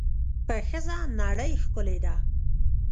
په ښځه نړۍ ښکلې ده.